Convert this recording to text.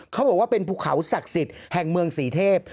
เขาบอกว่าเป็นภูเขาศักดิ์สิทธิ์แห่งเมืองศรีเทพ